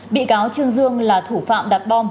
bị cáo trương dương là thủ phạm đặt bom